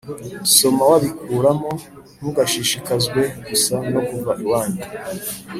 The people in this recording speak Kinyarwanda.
somo wabikuramo Ntugashishikazwe gusa no kuva iwanyu